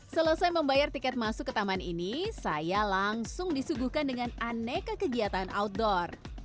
selesai membayar tiket masuk ke taman ini saya langsung disuguhkan dengan aneka kegiatan outdoor